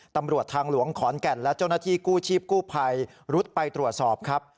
ตำรวจทางหลวงขอนแก่นและเจ้าหน้าที่กู้ชีพกู้ภัยรุดไปตรวจสอบครับ